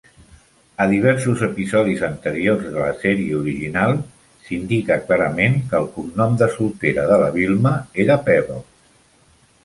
A diversos episodis anteriors de la sèrie original, s'indica clarament que el cognom de soltera de la Wilma era Pebble.